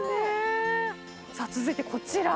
さあ続いてこちら。